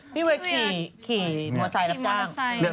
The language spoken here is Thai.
พี่เวียขี่มอเตอร์ไซด์แล้วจ้าง